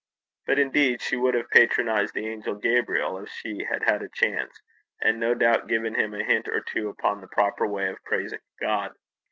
But, indeed, she would have patronized the angel Gabriel, if she had had a chance, and no doubt given him a hint or two upon the proper way of praising God.